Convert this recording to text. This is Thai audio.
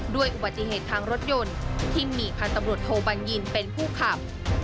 ด้วยอุบัติเหตุทางรถยนต์ที่มีพันธุ์ตำรวจโทบัญญินเป็นผู้ขับ